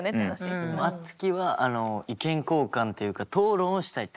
あつきは意見交換というか討論をしたいってこと。